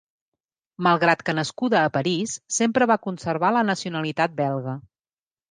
Malgrat que nascuda a París sempre va conservar la nacionalitat belga.